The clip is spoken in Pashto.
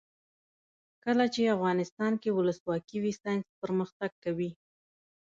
کله چې افغانستان کې ولسواکي وي ساینس پرمختګ کوي.